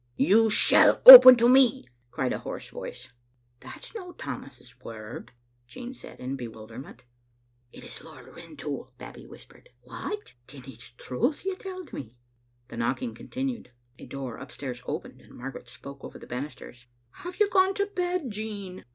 "You shall open to me," cried a hoarse voice. "That's no Tammas* word," Jean said in bewilder ment. "It is Lord Rintoul," Babbie whispered. " What? Then it's truth you telled me." The knocking continued; a door upstairs opened, and Margaret spoke over the banisters. " Have you gone to bed, Jean?